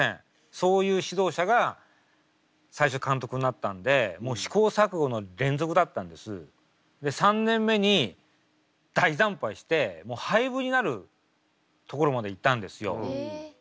そういう指導者が最初監督になったんで３年目に大惨敗してもう廃部になるところまでいったんですよ。